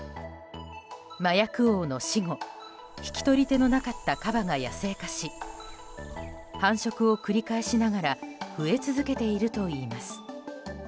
麻薬王の死後引き取り手のなかったカバが野生化し繁殖を繰り返しながら増え続けているといいます。